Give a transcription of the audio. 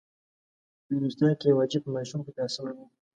په هندوستان کې یو عجیب ماشوم پیدا شوی و.